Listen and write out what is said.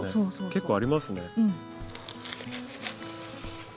結構ありますね。